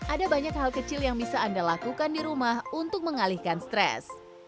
ada banyak hal kecil yang bisa anda lakukan di rumah untuk mengalihkan stres